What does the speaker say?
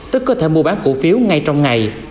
tức có thể mua bán cổ phiếu ngay trong ngày